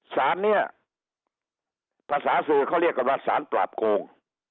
สารเนี่ยภาษาสื่อเขาเรียกกันว่าสารปราบโกง